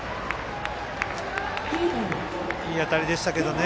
いい当たりでしたけどね。